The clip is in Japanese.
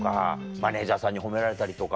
マネジャーさんに褒められたりとか。